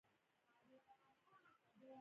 بې اوبو ژوند نشته.